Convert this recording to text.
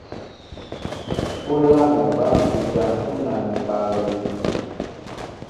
U lâŋɛ bán ujaŋ ú nanɛ ba alɛm.